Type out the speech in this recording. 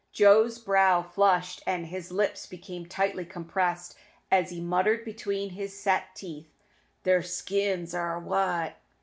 Joe's brow flushed and his lips became tightly compressed as he muttered between his set teeth, "Their skins are white."